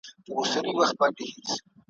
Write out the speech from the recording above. له یوه میدانه وزو بل میدان ته ور ګډیږو ,